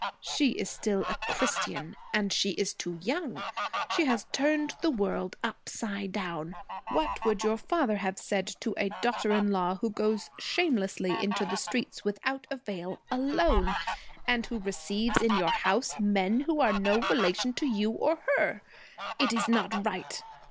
She is still a Christian. And she is too young. She has turned the world upside down. What would your father have said to a daughter in law who goes shamelessly into the street without a veil, alone, and who receives in your house men who are no relation to you or her? It is not right.